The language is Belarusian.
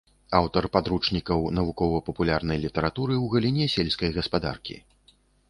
Аўтар падручнікаў навукова-папулярнай літаратуры ў галіне сельскай гаспадаркі.